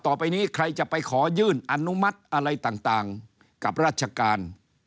ต่อไปนี้ใครจะไปขอยื่นอนุมัติอะไรต่างกับราชการ